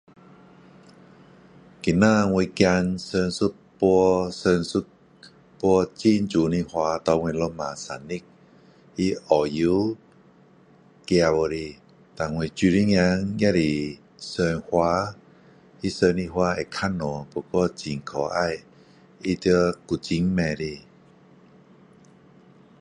今天我儿送一束送一束很美的花给我的老婆生日，他澳洲寄过来，那我女儿也是送花，她送的花会较小，不过很可爱，她在古晋买的。